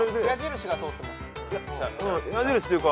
矢印が通ってます。